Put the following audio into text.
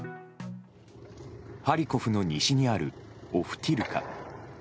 ハリコフの西にあるオフティルカ。